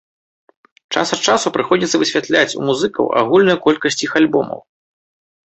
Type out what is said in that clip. Час ад часу прыходзіцца высвятляць у музыкаў агульную колькасць іх альбомаў.